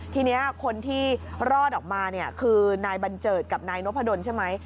ทีนี้คนที่รอดออกมาเนี่ยคือนายบัญเจิดกับนายนพดลใช่ไหม